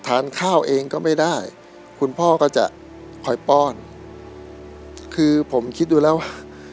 ทานข้าวเองก็ไม่ได้คุณพ่อก็จะคอยป้อนคือผมคิดดูแล้วว่า